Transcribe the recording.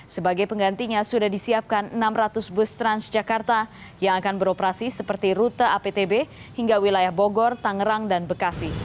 sebagai penggantinya sudah disiapkan enam ratus bus transjakarta yang akan beroperasi seperti rute aptb hingga wilayah bogor tangerang dan bekasi